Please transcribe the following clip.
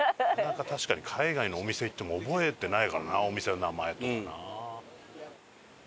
確かに海外のお店行っても覚えてないからなお店の名前とかな。